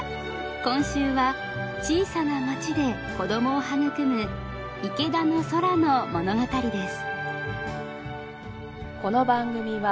今週は小さな町で子どもを育むいけだのそらの物語です。